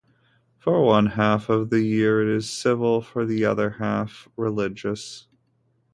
For one half of the year it is civil, for the other half religious.